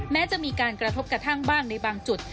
แม้จะมีการกระทบกระทั่งบ้างในบางจุด